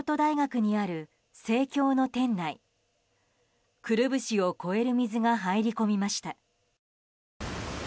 くるぶしを超える水が入り込みました。